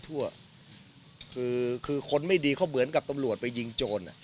ทั่วคือคือคนไม่ดีเขาเหมือนกับตำรวจไปยิงโจรอ่ะ